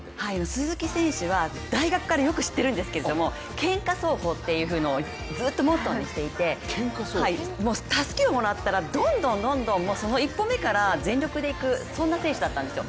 鈴木選手は大学からよく知ってるんですけどもけんか走法っていうのをモットーにしていて、たすきをもらったら、どんどんどんどん、１歩目から全力でいく選手だったんですよ。